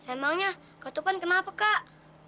emangnya kak topan kenapa kak